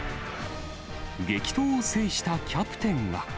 激闘を制したキャプテンは。